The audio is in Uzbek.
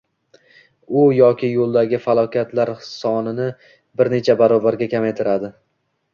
– u yoki yo‘ldagi halokatlar sonini bir necha barobar kamaytiradi